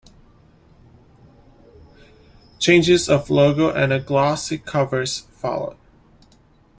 Changes of logo and a glossy covers followed.